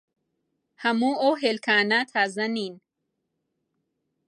هەموو ئەو هێلکانە تازە نین.